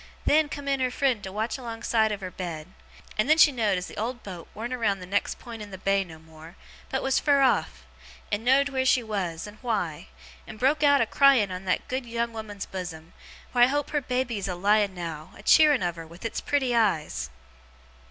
Then, come in her friend to watch alongside of her bed; and then she know'd as the old boat warn't round that next pint in the bay no more, but was fur off; and know'd where she was, and why; and broke out a crying on that good young woman's bosom, wheer I hope her baby is a lying now, a cheering of her with its pretty eyes!